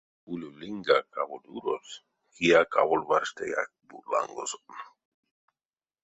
Улевлиньгак аволь уроз, кияк аволь варштаяк бу лангозон.